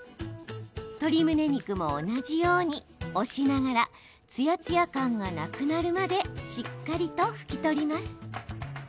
鶏むね肉も同じように押しながらつやつや感がなくなるまでしっかりと拭き取ります。